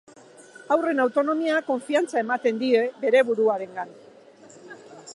Haurren autonomia konfiantza ematen die bere buruarengan